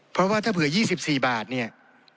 เพราะว่าถ้าเผื่อ๒๔บาทเนี่ย